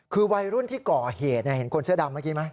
คือวัยรุ่นที่ก่อเหตุเห็นคนเสื้อดำเมื่อกี้ไหม